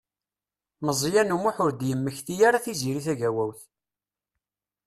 Meẓyan U Muḥ ur d-yemmekti ara Tiziri Tagawawt.